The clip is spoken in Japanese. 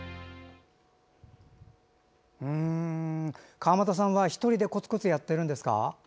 川又さんは１人でこつこつやっているんですか？